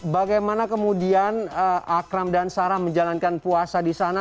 bagaimana kemudian akram dan sarah menjalankan puasa di sana